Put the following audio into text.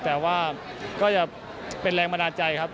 แต่ว่าก็จะเป็นแรงบันดาลใจครับ